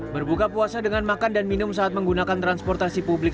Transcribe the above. berbuka puasa dengan makan dan minum saat menggunakan transportasi publik